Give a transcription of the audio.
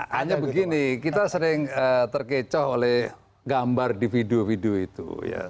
hanya begini kita sering terkecoh oleh gambar di video video itu